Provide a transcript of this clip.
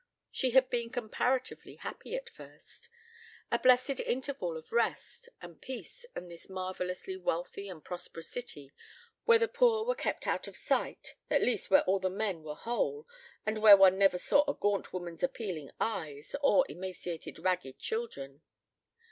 She had been comparatively happy at first a blessed interval of rest and peace in this marvellously wealthy and prosperous city where the poor were kept out of sight, at least, where all the men were whole and where one never saw a gaunt woman's appealing eyes, or emaciated ragged children.